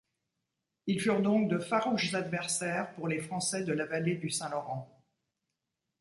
Ils furent donc de farouches adversaires pour les Français de la vallée du Saint-Laurent.